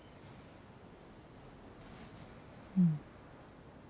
うん。